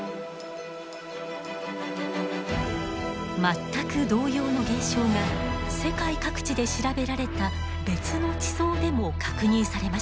全く同様の現象が世界各地で調べられた別の地層でも確認されました。